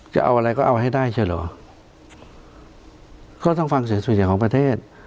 จะเอาอะไรก็เอาให้ได้ใช่เหรอก็ต้องฟังเสียงส่วนใหญ่ของประเทศ